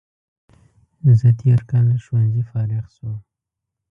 زه تېر کال له ښوونځي فارغ شوم